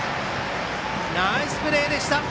ナイスプレーでした。